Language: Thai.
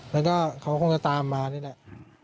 แล้วก็เขาคงจะตามมานี่แหละ